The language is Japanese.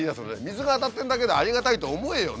水が当たってるだけでありがたいと思えよ。